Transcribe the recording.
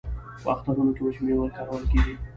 په اخترونو کې وچې میوې کارول کیږي.